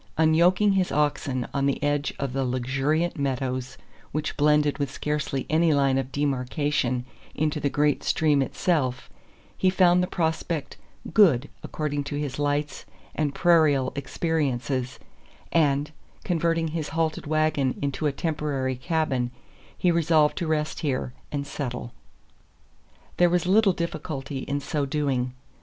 Unyoking his oxen on the edge of the luxuriant meadows which blended with scarcely any line of demarcation into the great stream itself, he found the prospect "good" according to his lights and prairial experiences, and, converting his halted wagon into a temporary cabin, he resolved to rest here and "settle." There was little difficulty in so doing.